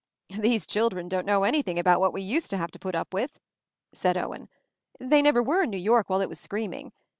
"These children don't know anything about what we used to have to put up with," said Owen. "They never were in New York while it was screaming.